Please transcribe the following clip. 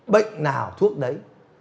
bệnh nào thuốc đấy